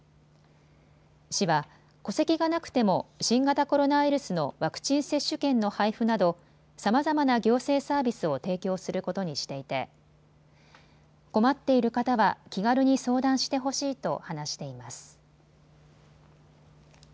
市は、戸籍がなくても新型コロナウイルスのワクチン接種券の配布などさまざまな行政サービスを提供することにしていて困っている方は気軽に相談してほしいと話しています。